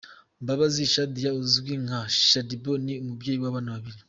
Mbabazi Shadia uzwi nka Shaddy Boo ni umubyeyi w’abana babiri.